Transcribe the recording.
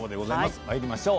まいりましょう。